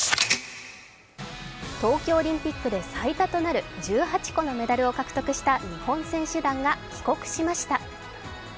冬季オリンピックで最多となる１８個のメダルを獲得した日本選手団が帰国しました。